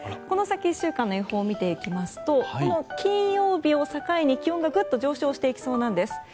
この先１週間の予報を見ていきますとこの金曜日を境に、気温がグッと上昇していきそうなんです。